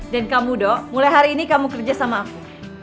dan kamu dong mulai hari ini kamu kerja sama aku